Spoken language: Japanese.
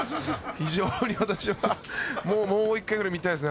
非常に私はもう１回くらい見たいですね。